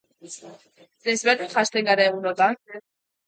Desberdin janzten gara egunotan?